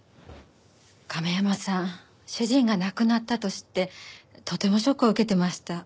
亀山さん主人が亡くなったと知ってとてもショックを受けてました。